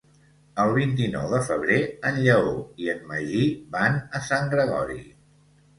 El vint-i-nou de febrer en Lleó i en Magí van a Sant Gregori.